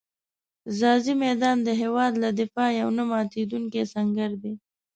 ځاځي میدان د هېواد له دفاع یو نه ماتېدونکی سنګر دی.